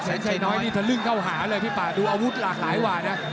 แสนชัยน้อยทะลึ่งเข้าหาเลยเพราะเอาอาวุธหลากหลายหวาน